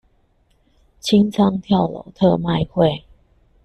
清倉跳樓特賣會